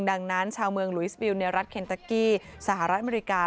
ดังนั้นชาวเมืองหลุยสบิลในรัฐเคนตะกี้สหรัฐอเมริกา